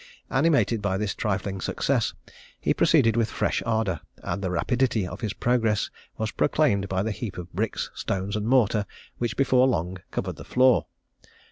"Animated by this trifling success, he proceeded with fresh ardour, and the rapidity of his progress was proclaimed by the heap of bricks, stones, and mortar, which before long covered the floor.